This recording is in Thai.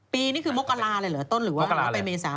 ปีนี่คือโมกราอะไรเหรอต้นหรือว่ารอไปเมษา